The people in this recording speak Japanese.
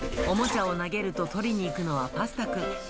おもちゃを投げると取りに行くのはパスタくん。